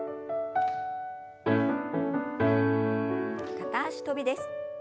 片脚跳びです。